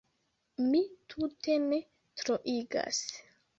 Mi tute ne troigas.